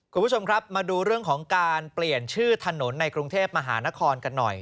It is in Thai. คุณผู้ชมครับมาดูเรื่องของการเปลี่ยนชื่อถนนในกรุงเทพมหานครกันหน่อย